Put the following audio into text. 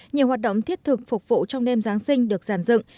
nhiều hoạt động thiết thực phục vụ trong đêm giáng sinh được giàn dựng